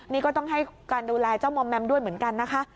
นี่ก็ต้องให้การดูแลเจ้ามอมแมมด้วยเหมือนกันนะคะ